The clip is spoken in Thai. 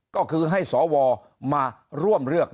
ก็คือให้สวมาร่วมเลือก